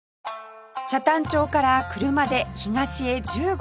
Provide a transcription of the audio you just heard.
北谷町から車で東へ１５分ほど